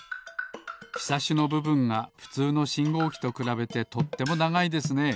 ひさしのぶぶんがふつうのしんごうきとくらべてとってもながいですね。